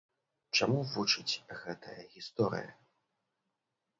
Чаму вучыць гэтая гісторыя?